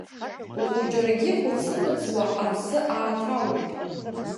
Ухәыҷрагьы ҳәыцы-мыцуа аԥсы ааҭалоит.